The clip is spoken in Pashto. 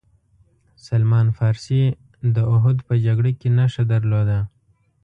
سلمان فارسي داوحد په جګړه کې نښه درلوده.